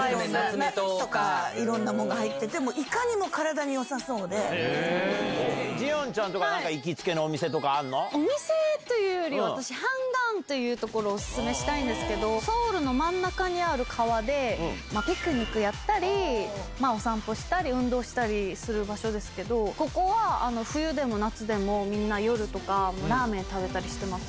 いろんなものが入ってて、ジヨンちゃんとか、なんか行お店というよりは、私、ハンガンという所、お勧めしたいんですけど、ソウルの真ん中にある川で、ピクニックやったり、お散歩したり運動したりする場所ですけど、ここは冬でも夏でも、みんな夜とかラーメン食べたりしてます。